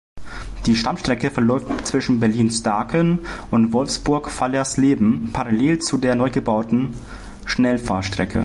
Die Stammstrecke verläuft zwischen Berlin-Staaken und Wolfsburg-Fallersleben parallel zur der neugebauten Schnellfahrstrecke.